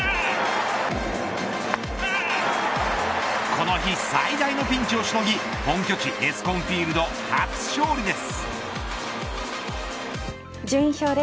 この日最大のピンチをしのぎ本拠地エスコンフィールド初勝利です。